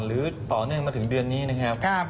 หรือต่อเนื่องมาถึงเดือนนี้นะครับ